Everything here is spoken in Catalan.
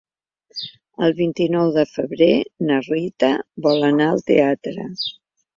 El vint-i-nou de febrer na Rita vol anar al teatre.